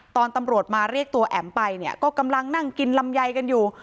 ตอนตำรวจมาเรียกตัวแอ๋มไปเนี่ยก็กำลังนั่งกินลำไยกันอยู่